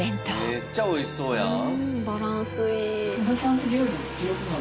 めっちゃ美味しそうやん。